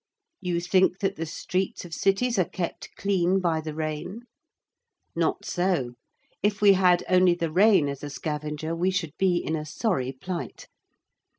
You think that the streets of cities are kept clean by the rain? Not so: if we had only the rain as a scavenger we should be in a sorry plight.